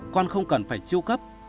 con không cần phải chiêu cấp